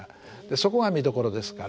そこが見どころですから。